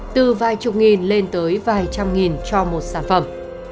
từ vài chục nghìn lên tới vài trăm nghìn cho một sản phẩm